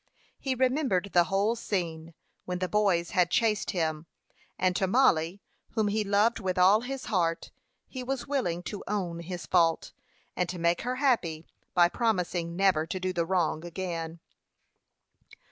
He remembered the whole scene, when the boys had chased him; and to Mollie, whom he loved with all his heart, he was willing to own his fault, and to make her happy by promising never to do the wrong again.